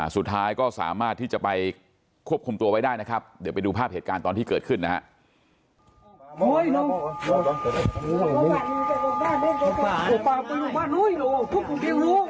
สุดท้ายก็สามารถที่จะไปควบคุมตัวไว้ได้นะครับเดี๋ยวไปดูภาพเหตุการณ์ตอนที่เกิดขึ้นนะฮะ